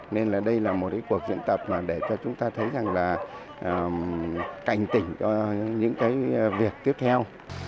nên là đây là một cái cuộc diễn tập để cho chúng ta thấy rằng là cảnh tỉnh cho những cái việc tiếp theo